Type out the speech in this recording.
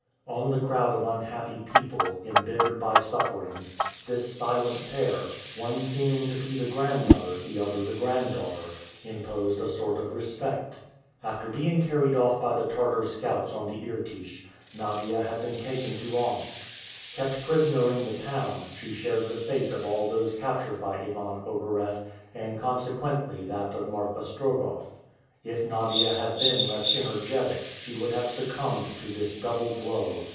On the crowd of unhappy people, embittered by sufferings, this silent pair one seeming to be the grandmother, the other the grand daughter imposed a sort of respect. After being carried off by the Tartar scouts on the Irtych, Nadia had been taken to Omsk. Kept prisoner in the town, she shared the fate of all those captured by Ivan Ogareff, and consequently that of Marfa Strogoff. If Nadia had been less energetic, she would have succumbed to this double blow.